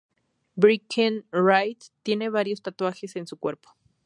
Breckenridge tiene varios tatuajes en su cuerpo.